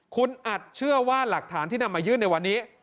คุณอัดเชื่อว่าหลักฐานที่นำมายื่นในวันนี้